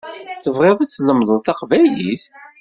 Tebɣiḍ ad tlemded taqbaylit?